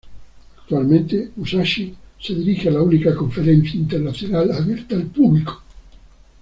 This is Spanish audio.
Actualmente "Musashi" se dirige a la única conferencia internacional abierta al público.